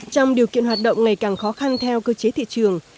trong điều kiện hoạt động ngày càng khó khăn theo cơ chế thị trường